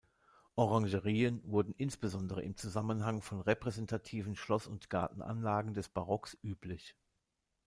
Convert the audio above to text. Orangerien wurden insbesondere im Zusammenhang von repräsentativen Schloss- und Gartenanlagen des Barocks üblich.